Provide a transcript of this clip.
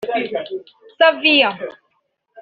Xavia